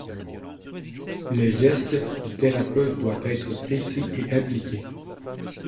Le geste du thérapeute doit être précis et appliqué.